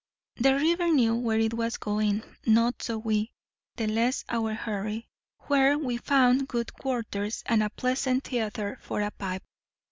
The river knew where it was going; not so we: the less our hurry, where we found good quarters and a pleasant theatre for a pipe.